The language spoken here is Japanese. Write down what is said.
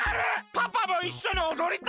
パパもいっしょにおどりたい！